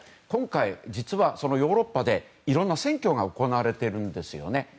今回、実はそのヨーロッパでいろんな選挙が行われているんですよね。